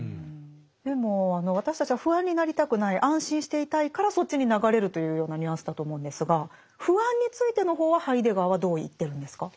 でもあの私たちは不安になりたくない安心していたいからそっちに流れるというようなニュアンスだと思うんですが「不安」についての方はハイデガーはどう言ってるんですか？